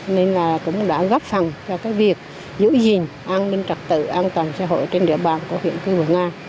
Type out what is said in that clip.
nên là cũng đã góp phẳng cho cái việc giữ gìn an ninh trật tự an toàn xã hội trên địa bàn của huyện khu vực nga